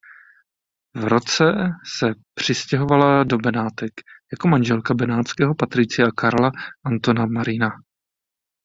V roce se přistěhovala do Benátek jako manželka benátského patricia Karla Antona Marina.